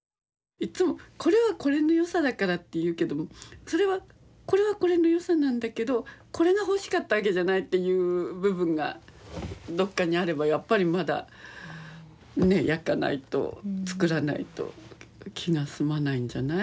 いっつもこれはこれの良さだからって言うけどもそれはこれはこれの良さなんだけどこれが欲しかったわけじゃないっていう部分がどっかにあればやっぱりまだねえ焼かないと作らないと気が済まないんじゃない？